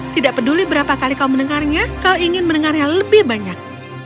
tidak peduli berapa kali kau mendengarnya kau ingin mendengarnya lebih banyak